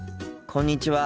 こんにちは。